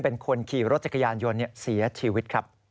เป็นคนขี่รถจักรยานยนต์เสียชีวิตครับ